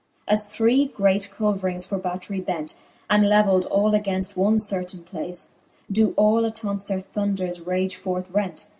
As three great culverings for battrie bent. And leveld all againft one certaine place, Doe all attonce their thunders rage forth rent.